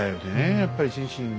やっぱり心身。